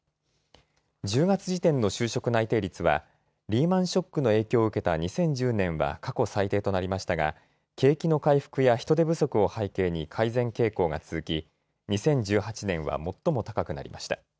１０月時点の就職内定率はリーマンショックの影響を受けた２０１０年は過去最低となりましたが景気の回復や人手不足を背景に改善傾向が続き２０１８年は最も高くなりました。